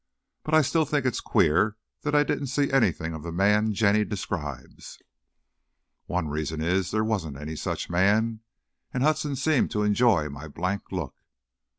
But I still think it's queer that I didn't see anything of the man Jenny describes." "One reason is, there wasn't any such man," and Hudson seemed to enjoy my blank look.